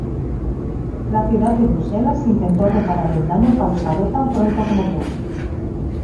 La ciudad de Bruselas intentó reparar el daño causado tan pronto como pudo.